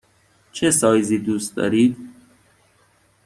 چه سایزی دوست دارید؟